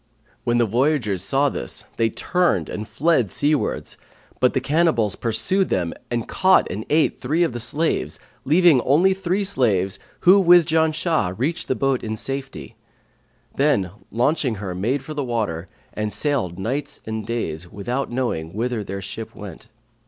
When the voyagers saw this, they turned and fled seawards; but the cannibals pursued them and caught and ate three of the slaves, leaving only three slaves who with Janshah reached the boat in safety; then launching her made for the water and sailed nights and days without knowing whither their ship went.